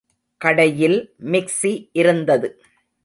கடையில் மிக்ஸி இருந்தது.